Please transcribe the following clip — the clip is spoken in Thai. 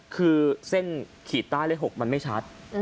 คือเส้นขีดใต้เลข๖มันไม่ชัด